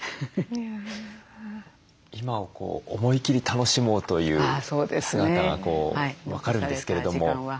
今を思いきり楽しもうという姿が分かるんですけれども。